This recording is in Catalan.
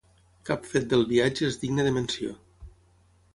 Cap fet del viatge és digne de menció.